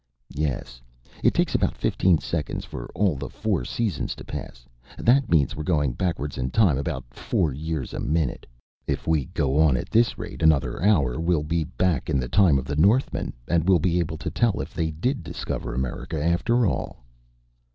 "Yes, it takes about fifteen seconds for all the four seasons to pass. That means we're going backward in time about four years a minute. If we go on at this rate another hour we'll be back in the time of the Northmen, and will be able to tell if they did discover America, after all."